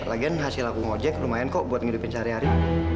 lagian hasil aku ngojek lumayan kok buat ngiripin sehari hari